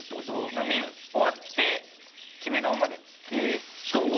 飲み終わってキメ顔までやります